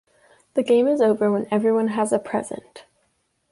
The game is over when everyone has a present.